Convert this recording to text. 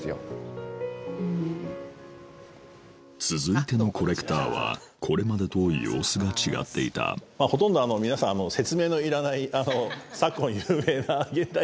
続いてのコレクターはこれまでと様子が違っていたほとんど皆さん説明のいらない昨今。